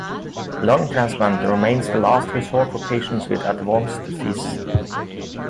Lung transplant remains the last resort for patients with advanced disease.